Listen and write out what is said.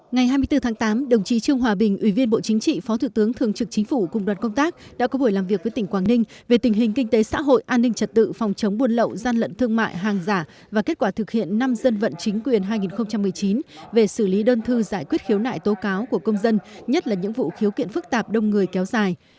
ngày hai mươi bốn tháng tám đồng chí trương hòa bình ủy viên bộ chính trị phó thủ tướng thường trực chính phủ cùng đoàn công tác đã có buổi làm việc với tỉnh quảng ninh về tình hình kinh tế xã hội an ninh trật tự phòng chống buôn lậu gian lận thương mại hàng giả và kết quả thực hiện năm dân vận chính quyền hai nghìn một mươi chín về xử lý đơn thư giải quyết khiếu nại tố cáo của công dân nhất là những vụ khiếu kiện phức tạp đông người kéo dài